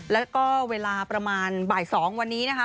แล้วก็เวลาประมาณบ่าย๒วันนี้นะคะ